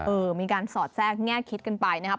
เออมีการสอดแทรกแง่คิดกันไปนะครับ